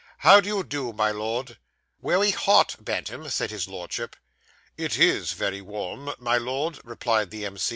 How do you do, my Lord?' 'Veway hot, Bantam,' said his Lordship. 'It is very warm, my Lord,' replied the M.